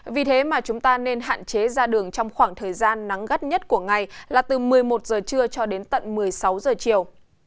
vì thế mà chúng ta nên hạn chế ra đường trong khoảng thời gian nắng gắt nhất của ngày là từ một mươi một giờ trưa cho đến tận một mươi sáu giờ chiều